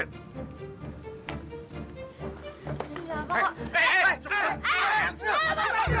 nomor ini salmonnya